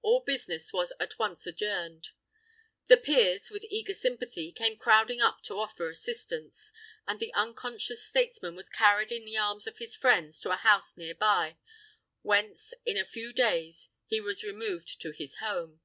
All business was at once adjourned. The peers, with eager sympathy, came crowding up to offer assistance, and the unconscious statesman was carried in the arms of his friends to a house near by, whence in a few days he was removed to his home.